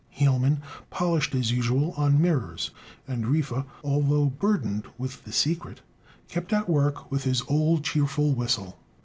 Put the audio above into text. Hielman polished as usual on mirrors; and Riffe, although burdened with the secret, kept at work with his old cheerful whistle.